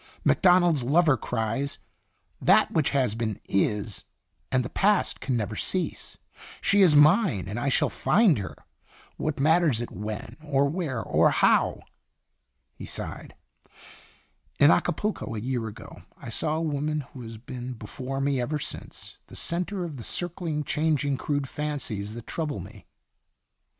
Macdonald's lover cries, * That which has been is, and the Past can never cease. She is mine, and I shall find her what matters it when, or where, or how?'" He sighed, "In Acapulco, a year ago, I saw a woman who has been before me ever since the centre of the circling, chang ing, crude fancies that trouble me."